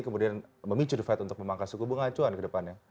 kemudian memicu the fed untuk memangkas suku bunga acuan ke depannya